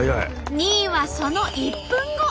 ２位はその１分後。